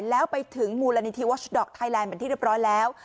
แล้วไปถึงมูลนิธิวัชดอกไทยแลนดเป็นที่เรียบร้อยแล้ว